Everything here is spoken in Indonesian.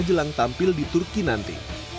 jelang tampil di turki nanti